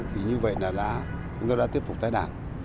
thì như vậy là chúng tôi đã tiếp tục tái đàn